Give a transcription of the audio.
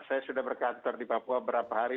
ya saya sudah berkantor di papua beberapa hari